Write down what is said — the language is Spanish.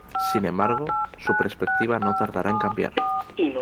Sin embargo, su perspectiva no tardará en cambiar.